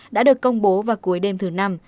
đã được công bố vào cuối đêm thứ năm